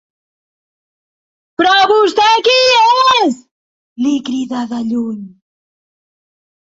Però vostè qui és? —li crida de lluny—.